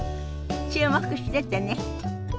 注目しててね。